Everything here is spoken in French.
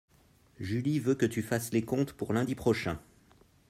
Julie veut que tu fasses les comptes pour lundi prochain.